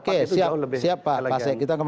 oke siap pak